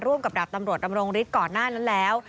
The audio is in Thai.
กับดาบตำรวจดำรงฤทธิ์ก่อนหน้านั้นแล้ว